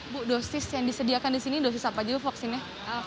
bu dosis yang disediakan di sini dosis apa juga vaksinnya